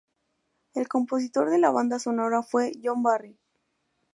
El compositor de la banda sonora fue John Barry.